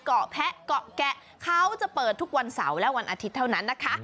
เกาะแพะเกาะแกะเขาจะเปิดทุกวันเสาร์และวันอาทิตย์เท่านั้นนะคะ